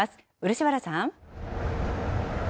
漆原さん。